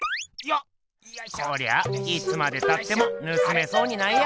こりゃあいつまでたっても盗めそうにないや。